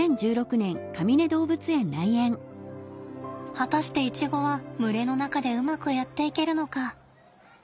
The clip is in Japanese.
果たしてイチゴは群れの中でうまくやっていけるのか。